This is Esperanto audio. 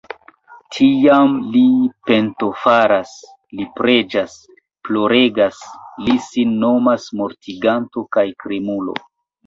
Tiam li pentofaras, li preĝas, ploregas, li sin nomas mortiganto kaj krimulo.